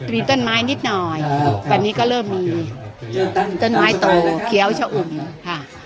มีต้นไม้นิดหน่อยตอนนี้ก็เริ่มมีต้นไม้โตเคี้ยวชะอุ่มค่ะ